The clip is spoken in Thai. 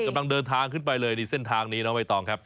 กำลังเดินทางขึ้นไปเลยในเส้นทางนี้น้องใบตองครับ